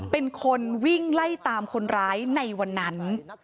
เป็นคนวิ่งไล่ตามคนร้ายในวันนั้น